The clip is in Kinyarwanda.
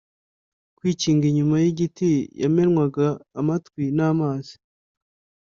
kwikinga inyuma yigiti, yamenwaga amatwi namazi